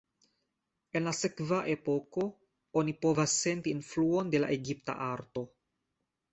En la sekva epoko, oni povas senti influon de la egipta arto.